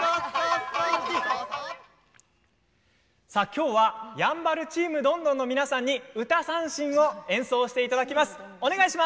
きょうはやんばるチームどんどんの皆さんに唄三線を演奏していただきます。